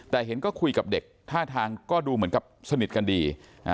แต่เห็นก็คุยกับเด็กท่าทางก็ดูเหมือนกับสนิทกันดี